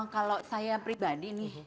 kalau saya pribadi nih